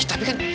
ih tapi kan